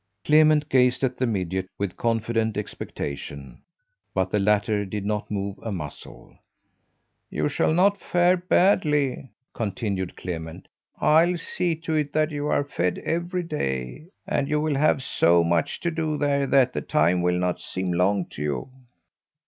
Clement gazed at the midget with confident expectation, but the latter did not move a muscle. "You shall not fare badly," continued Clement. "I'll see to it that you are fed every day, and you will have so much to do there that the time will not seem long to you.